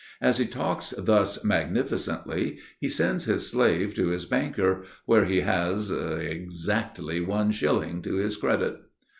As he talks thus magnificently, he sends his slave to his banker, where he has—exactly one shilling to his credit.